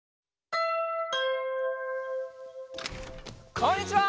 こんにちは！